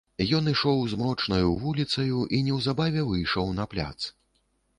Ён ішоў змрочнаю вуліцаю і неўзабаве выйшаў на пляц.